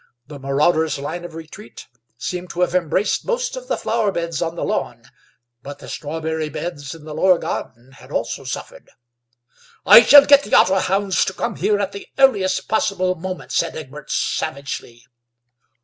The marauder's line of retreat seemed to have embraced most of the flower beds on the lawn, but the strawberry beds in the lower garden had also suffered. "I shall get the otter hounds to come here at the earliest possible moment," said Egbert savagely.